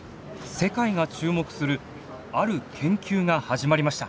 世界が注目する「ある研究」が始まりました。